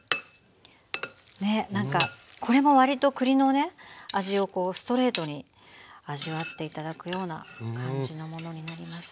ねっなんかこれもわりと栗のね味をストレートに味わって頂くような感じのものになります。